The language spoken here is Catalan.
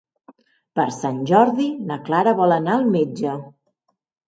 Per Sant Jordi na Clara vol anar al metge.